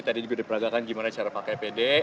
tadi juga diperagakan gimana cara pakai pede